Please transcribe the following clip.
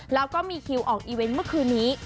แล้วก็มีคิวออกอีเวนต์เมื่อคืนนี้